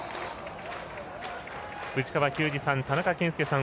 藤川球児さん、田中賢介さん